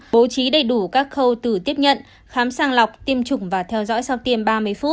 bố trí đầy đủ các khâu từ tiếp nhận khám sàng lọc tiêm chủng và theo dõi sau tiêm ba mươi phút